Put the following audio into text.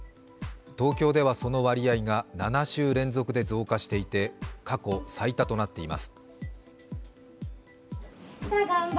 東京では、その割合が７週連続で増加していて過去最多となっています。